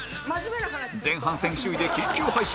前半戦首位で緊急配信！